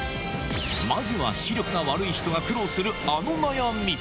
まずは、視力が悪い人が苦労するあの悩み。